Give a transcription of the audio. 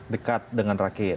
dekat dengan rakit